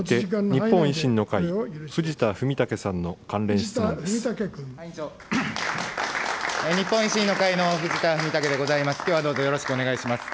日本維新の会の藤田文武でございます。